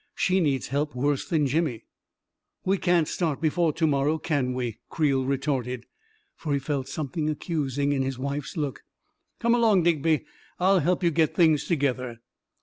She needs help worse than Jimmy 1 " "We can't start before to morrow, can we?" Creel retorted, for he felt something accusing in his wife's look. " Come along, Digby; I'll help you get things together."